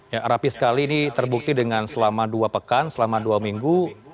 ya rapi sekali ini terbukti dengan selama dua pekan selama dua minggu